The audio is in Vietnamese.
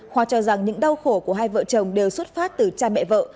khoa cho rằng những đau khổ của hai vợ chồng đều xuất phát từ cha mẹ vợ